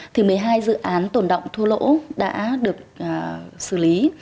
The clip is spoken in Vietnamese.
thì một mươi hai dự án tồn động thua lỗ đã được xử lý